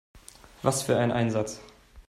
Was für ein Einsatz!